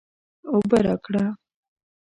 اوبه راکړه